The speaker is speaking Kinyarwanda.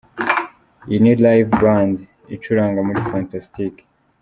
Iyi ni Live Band icuranga muri Fantastic.